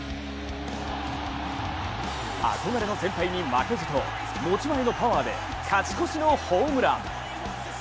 憧れの先輩に負けじと持ち前のパワーで勝ち越しのホームラン。